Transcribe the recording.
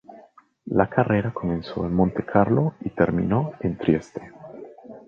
La carrera comenzó en Montecarlo y terminó en Trieste.